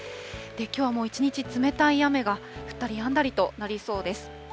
きょうはもう一日冷たい雨が降ったりやんだりとなりそうです。